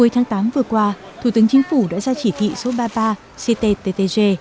một mươi tháng tám vừa qua thủ tướng chính phủ đã ra chỉ thị số ba mươi ba cttg